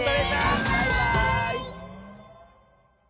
バイバーイ！